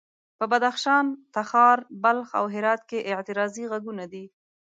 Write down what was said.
په بدخشان، تخار، بلخ او هرات کې اعتراضي غږونه دي.